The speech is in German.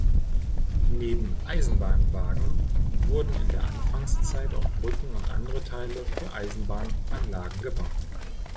Neben Eisenbahnwagen wurden in der Anfangszeit auch Brücken und andere Teile für Eisenbahnanlagen gebaut.